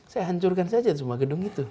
saya hancurkan saja semua gedung itu